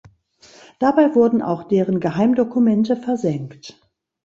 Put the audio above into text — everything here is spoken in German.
Dabei wurden auch deren Geheimdokumente versenkt.